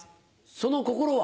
その心は？